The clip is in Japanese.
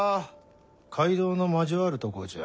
街道の交わるとこじゃ。